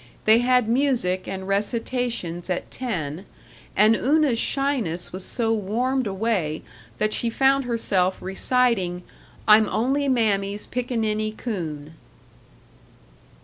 They had music and recitations at ten, and Una's shyness was so warmed away that she found herself reciting, "I'm Only Mammy's Pickaninny Coon."